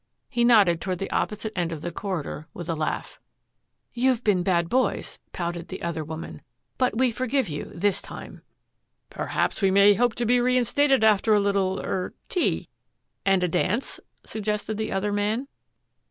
He nodded toward the opposite end of the corridor with a laugh. "You've been bad boys," pouted the other woman, "but we forgive you this time." "Perhaps we may hope to be reinstated after a little er tea and a dance?" suggested the other man.